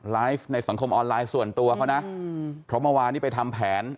ในสังคมออนไลน์ส่วนตัวเขานะเพราะเมื่อวานนี้ไปทำแผน